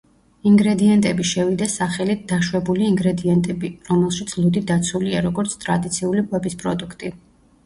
ინგრედიენტები შევიდა სახელით „დაშვებული ინგრედიენტები“, რომელშიც ლუდი დაცულია როგორც „ტრადიციული კვების პროდუქტი“.